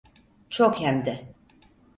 Çok hem de.